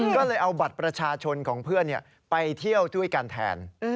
ก็เลยเอาบัตรประชาชนของเพื่อนไปเที่ยวด้วยกันแทน